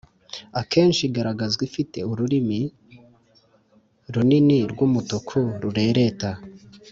akenshi igaragazwa ifite ururimi runini rw’umutuku rurereta